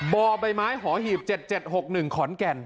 บ่อใบไม้หอหีบ๗๗๖๑ขอนแก่น